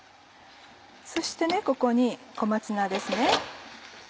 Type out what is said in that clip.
そしてここに小松菜です。